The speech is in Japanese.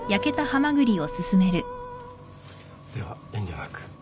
では遠慮なく。